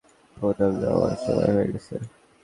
পুনাম, যাওয়ার সময় হয়ে গেছে।